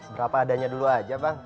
berapa adanya dulu aja bang